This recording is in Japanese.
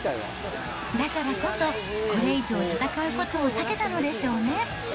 だからこそ、これ以上戦うことを避けたのでしょうね。